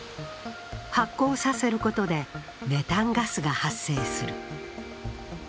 発酵させることで、メタンガスが発生する。